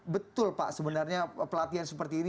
betul pak sebenarnya pelatihan seperti ini